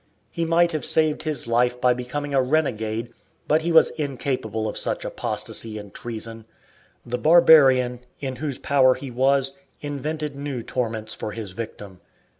He might have saved his life by becoming a renegade, but he was incapable of such apostasy and treason. The barbarian, in whose power he was, invented new torments for his victim.